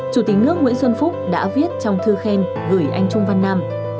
chủ tịch nước nguyễn xuân phúc đã viết trong thư khen gửi anh trung văn nam